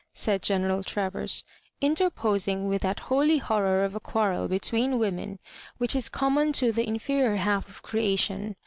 '* said General Travers, mterposing with that holy lior tor of a quarrel between women which is com mon to the inferior half of creation.